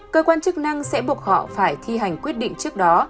cơ quan chức năng sẽ buộc họ phải thi hành quyết định trước đó